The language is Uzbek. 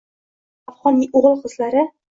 Minglab afgʻon oʻgʻil-qizlari